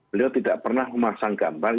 beliau tidak pernah memasang gambar